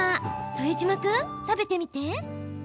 副島君、食べてみて。